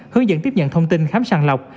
hướng dẫn tiếp nhận thông tin khám sàng lọc